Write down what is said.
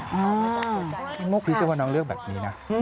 ไข่มกคิดว่าน้องเลือกแบบนี้นะ